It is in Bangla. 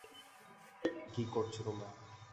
কী করছো তোমরা?